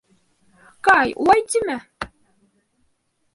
Кай, улай тимә!